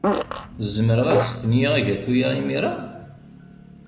Zemreɣ ad stenyiɣ agatu-a imir-a?